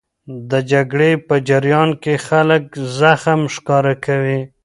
د جګړې په جریان کې خلک زغم ښکاره کوي.